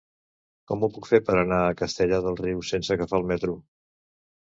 Com ho puc fer per anar a Castellar del Riu sense agafar el metro?